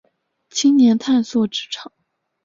青年探索职场